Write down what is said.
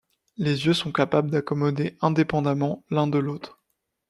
Les yeux sont capables d'accommoder indépendamment l'un de l'autre.